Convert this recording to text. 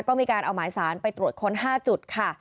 ก็มีการเอาหมายสารไปตรวจค้น๕จุดค่ะ